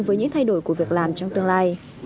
với những thay đổi của việc làm trong tương lai